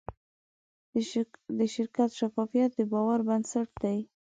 د شرکت شفافیت د باور بنسټ دی.